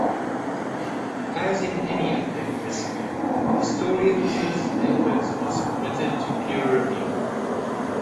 As in any academic discipline, historians' papers are submitted to peer review.